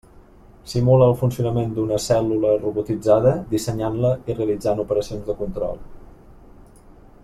Simula el funcionament d'una cèl·lula robotitzada, dissenyant-la i realitzant operacions de control.